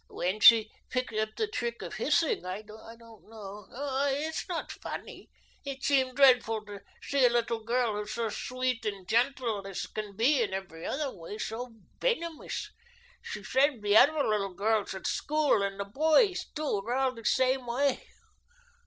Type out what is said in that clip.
"Where she picked up the trick of hissing I don't know. No, it's not funny. It seems dreadful to see a little girl who's as sweet and gentle as can be in every other way, so venomous. She says the other little girls at school and the boys, too, are all the same way.